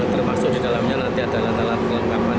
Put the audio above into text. terpaksa di dalamnya nanti ada latar belakang